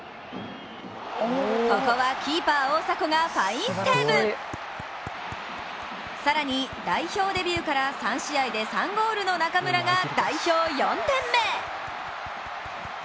ここはキーパー・大迫がファインセーブ！更に代表デビューから３試合で３ゴールの中村が代表４点目。